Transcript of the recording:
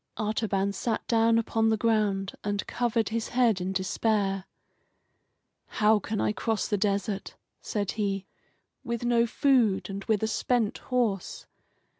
Artaban sat down upon the ground and covered his head in despair. "How can I cross the desert," said he, "with no food and with a spent horse?